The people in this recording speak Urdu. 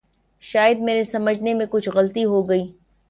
شاید میرے سمجھنے میں کچھ غلطی ہو گئی۔